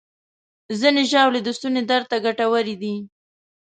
ځینې ژاولې د ستوني درد ته ګټورې دي.